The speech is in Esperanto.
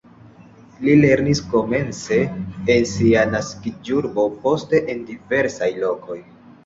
Li lernis komence en sia naskiĝurbo, poste en diversaj lokoj.